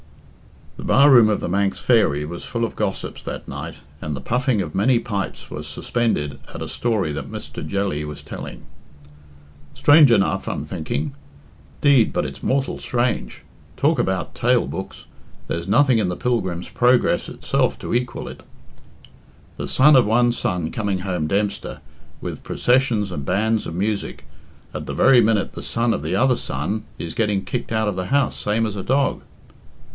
The bar room of "The Manx Fairy" was full of gossips 'that night, and the puffing of many pipes was suspended at a story that Mr. Jelly was telling. "Strange enough, I'm thinking. 'Deed, but it's mortal strange. Talk about tale books there's nothing in the 'Pilgrim's Progress' itself to equal it. The son of one son coming home Dempster, with processions and bands of music, at the very minute the son of the other son is getting kicked out of the house same as a dog."